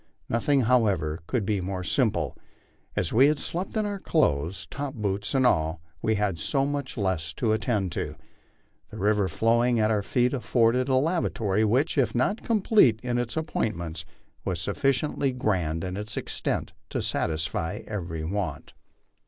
Nothing, however, could be more simple. As we had slept in our clothes, top boots and all, we had so much less to attend to. The river flowing at our feet afforded a lavatory which, if not complete in its appointments, was sufficiently grand in its extent to satisfy every want.